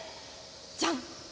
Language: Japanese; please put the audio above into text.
じゃん！